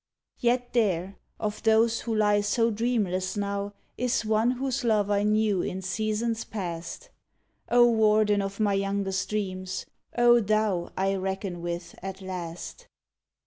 Yet there, of those who lie so dreamless now, Is one whose love I knew in seasons past : O warden of my youngest dreams ! O thou I reckon with at last!